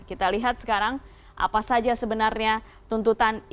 kita lihat sekarang apa saja sebenarnya tuntutan ini